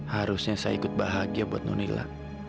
harusnya saya ikut bahagia buat nunilla